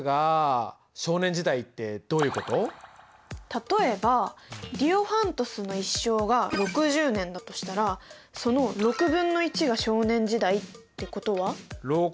例えばディオファントスの一生が６０年だとしたらそのが少年時代ってことは？